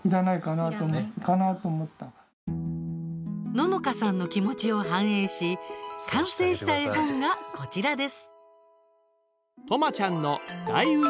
ののかさんの気持ちを反映し完成した絵本がこちらです。